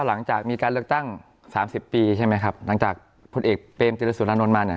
หลังจากมีการเลือกตั้งสามสิบปีใช่ไหมครับหลังจากพลเอกเปรมติรสุรานนท์มาเนี่ย